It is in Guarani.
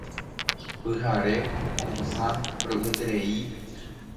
Pyhare, ho'ysã, ro'yeterei.